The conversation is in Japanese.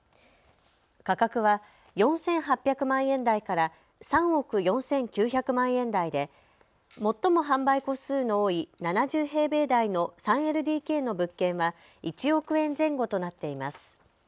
価格は４８００万円台から３億４９００万円台で最も販売戸数の多い７０平米台の３ＬＤＫの物件は１億円前後となっています。